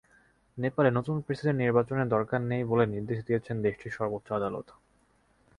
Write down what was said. নেপালে নতুন প্রেসিডেন্ট নির্বাচনের দরকার নেই বলে নির্দেশ দিয়েছেন দেশটির সর্বোচ্চ আদালত।